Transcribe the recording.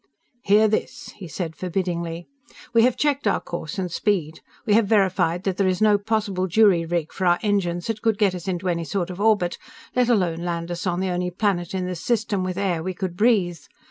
"Hear this!" he said forbiddingly. "_We have checked our course and speed. We have verified that there is no possible jury rig for our engines that could get us into any sort of orbit, let alone land us on the only planet in this system with air we could breathe.